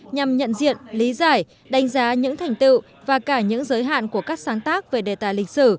nhằm nhận diện lý giải đánh giá những thành tựu và cả những giới hạn của các sáng tác về đề tài lịch sử